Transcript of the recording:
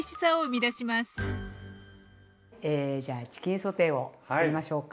じゃあチキンソテーをつくりましょうか。